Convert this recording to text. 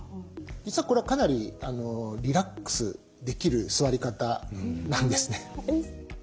実はこれはかなりリラックスできる座り方なんですね。